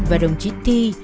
và đồng chí thi